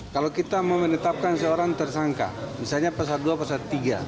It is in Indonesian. kalau kita mau menetapkan seorang tersangka misalnya pasal dua pasal tiga